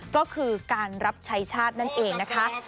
ก็คือการรับใช้ชาตินั่นเองนะคะ